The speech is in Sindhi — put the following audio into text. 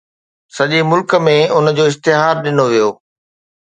سڄي ملڪ ۾ ان جو اشتهار ڏنو ويو.